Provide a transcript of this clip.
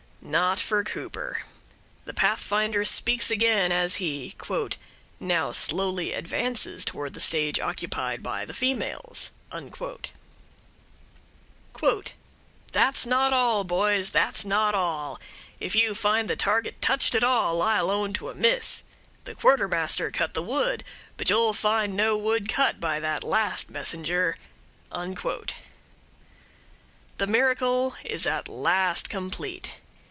Not for Cooper. The Pathfinder speaks again, as he "now slowly advances towards the stage occupied by the females": "'That's not all, boys, that's not all; if you find the target touched at all, I'll own to a miss. The Quartermaster cut the wood, but you'll find no wood cut by that last messenger." The miracle is at last complete.